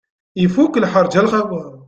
Ifuk lḥerǧ a lxawa.